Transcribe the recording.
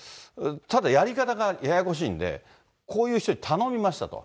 ただ、やり方がややこしいんで、こういう人に頼みましたと。